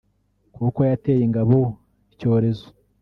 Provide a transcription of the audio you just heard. kuko yateye ingabo icyorezo